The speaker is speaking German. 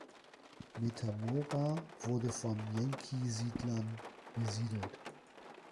Metamora wurde von Yankee-Siedlern besiedelt.